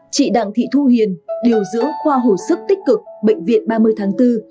chị đảng thị thu hiền điều dưỡng khoa hồ sức tích cực bệnh viện ba mươi tháng bốn